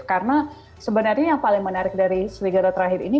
karena sebenarnya yang paling menarik dari seri gara terakhir ini